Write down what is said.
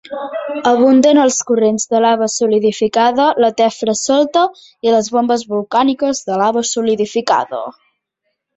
Abunden els corrents de lava solidificada, la tefra solta i les bombes volcàniques de lava solidificada.